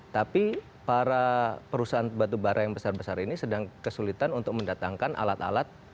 tapi para perusahaan batubara yang besar besar ini sedang kesulitan untuk mendatangkan alat alat